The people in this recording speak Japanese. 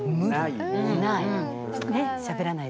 ない。